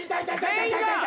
全員が！